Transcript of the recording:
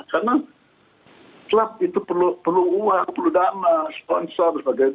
karena klub itu perlu uang perlu dana sponsor dan sebagainya